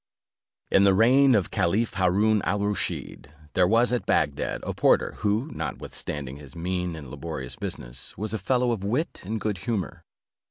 In the reign of Caliph Haroon al Rusheed, there was at Bagdad, a porter, who, notwithstanding his mean and laborious business, was a fellow of wit and good humour.